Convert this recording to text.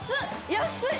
安い！